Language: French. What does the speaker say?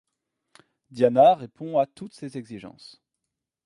Diana répond à toutes ces exigences.